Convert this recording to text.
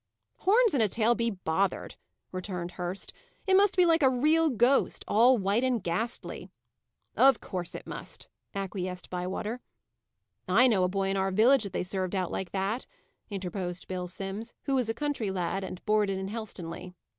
"Horns and a tail be bothered!" returned Hurst. "It must be like a real ghost, all white and ghastly." "Of course it must," acquiesced Bywater. "I know a boy in our village that they served out like that," interposed Bill Simms, who was a country lad, and boarded in Helstonleigh.